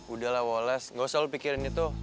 udahlah wallace gak usah lo pikirin itu